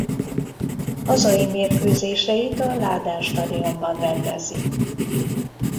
Hazai mérkőzéseit a Lahden Stadionban rendezi.